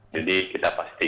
jadi kita pastikan itu